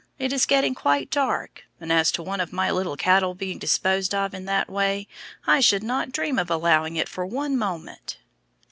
It is getting quite dark, and as to one of my cattle being disposed of in that way, I should not dream of allowing it for one moment."